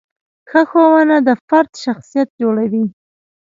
ښه ښوونه د فرد شخصیت جوړوي.